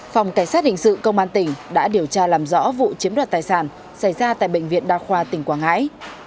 phòng cảnh sát hình sự công an tỉnh đã điều tra làm rõ vụ chiếm đoạt tài sản xảy ra tại bệnh viện đa khoa tỉnh quảng ngãi